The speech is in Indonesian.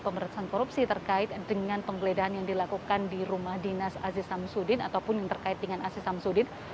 pembeledahan yang dilakukan oleh pihak komisi adalah hal yang terkait dengan penggeledahan yang dilakukan di rumah dinas aziz samsudin ataupun yang terkait dengan aziz samsudin